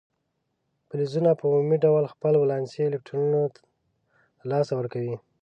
فلزونه په عمومي ډول خپل ولانسي الکترونونه له لاسه ورکوي.